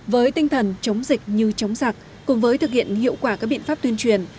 với tinh thần chống dịch như chống giặc cùng với thực hiện hiệu quả các biện pháp tuyên truyền